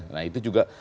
nah itu juga